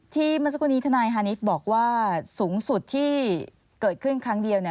เมื่อสักครู่นี้ทนายฮานิสบอกว่าสูงสุดที่เกิดขึ้นครั้งเดียว